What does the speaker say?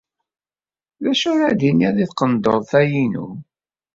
D acu ara tiniḍ di tqendurt-a-inu?